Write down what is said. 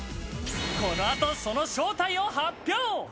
このあとその正体を発表。